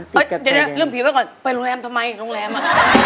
เดี๋ยวนะเรื่องผีไว้ก่อนไปโรงแรมทำไมโรงแรมอ่ะ